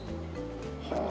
はあ。